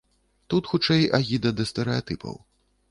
Тут хутчэй агіда да стэрэатыпаў.